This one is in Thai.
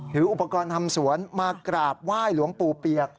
ถืออุปกรณ์ทำสวนมากราบไหว้หลวงปู่เปียก